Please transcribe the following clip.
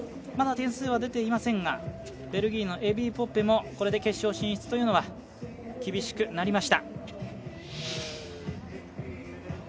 まだ点数は出ていませんがノルウェーのエビー・ポッペもこれで決勝進出というのが厳しくなりました。